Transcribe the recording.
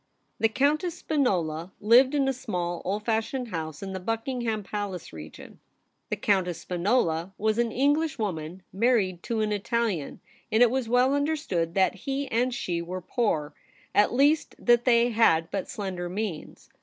HE Countess Spinola lived in a small old fashioned house in the Buckingham Palace region. The Countess Spinola was an English woman married to an Italian, and it was well understood that he and she were poor ; at least, that they had but slender means.